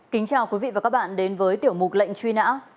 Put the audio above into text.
kính chào quý vị và các bạn đến với tiểu mục lệnh truy nã